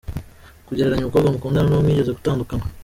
Kugereranya umukobwa mukundana n’uwo mwigeze gutandukana.